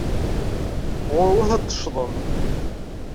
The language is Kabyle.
Ɣurwet ad tecḍem.